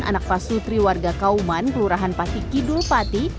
anak pasutri warga kauman kelurahan pati kidul pati